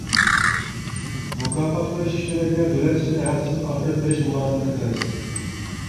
مۇكاپاتقا ئېرىشكۈچىلەرگە دۆلەت ئىچىدە ھەقسىز ئاپىرىپ بېرىش مۇلازىمىتى قىلىمىز.